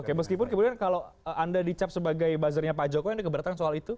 oke meskipun kemudian kalau anda dicap sebagai buzzernya pak jokowi anda keberatan soal itu